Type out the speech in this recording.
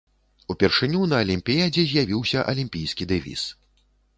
Упершыню на алімпіядзе з'явіўся алімпійскі дэвіз.